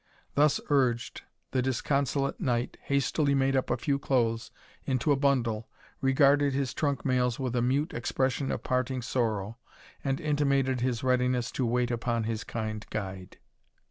Thus urged, the disconsolate knight hastily made up a few clothes into a bundle, regarded his trunk mails with a mute expression of parting sorrow, and intimated his readiness to wait upon his kind guide.